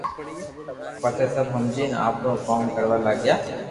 پسي سب ھمجين آپرو ڪوم ڪروا لاگيا